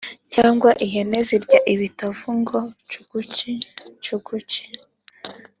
Cyangwa ihene zirya ibitovu ngo cugucicuguci